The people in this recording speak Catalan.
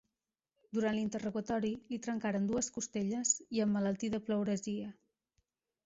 Durant l'interrogatori li trencaren dues costelles i emmalaltí de pleuresia.